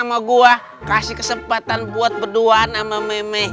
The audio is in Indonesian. nama gua kasih kesempatan buat berduaan sama me me